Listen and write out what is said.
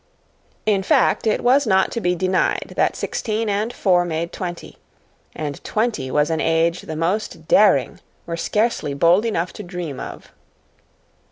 In fact, it was not to be denied that sixteen and four made twenty and twenty was an age the most daring were scarcely bold enough to dream of.